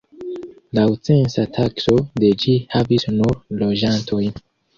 Laŭ censa takso de ĝi havis nur loĝantojn.